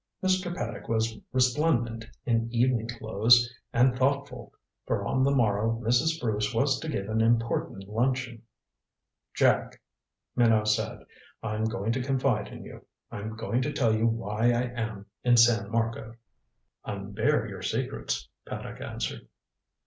Mr. Paddock was resplendent in evening clothes, and thoughtful, for on the morrow Mrs. Bruce was to give an important luncheon. "Jack," Minot said, "I'm going to confide in you. I'm going to tell you why I am in San Marco." "Unbare your secrets," Paddock answered.